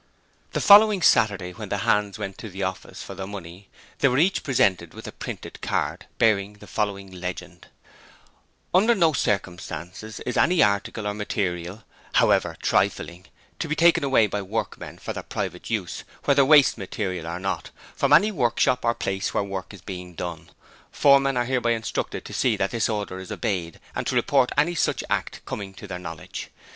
The following Saturday when the hands went to the office for their money they were each presented with a printed card bearing the following legend: Under no circumstances is any article or material, however trifling, to be taken away by workmen for their private use, whether waste material or not, from any workshop or place where work is being done. Foremen are hereby instructed to see that this order is obeyed and to report any such act coming to their knowledge.